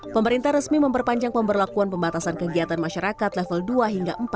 pemerintah resmi memperpanjang pemberlakuan pembatasan kegiatan masyarakat level dua hingga empat